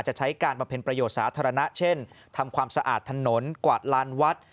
ใช้การบำเพ็ญประโยชน์สาธารณะเช่นทำความสะอาดถนนกวาดลานวัด